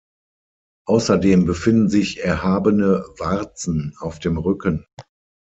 Außerdem befinden sich erhabene „Warzen“ auf dem Rücken.